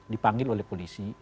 dipanggil oleh polisi